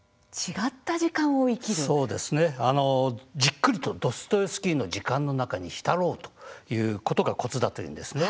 そうですね、じっくりとドストエフスキーの時間の中に浸ろうということがコツだというんですね。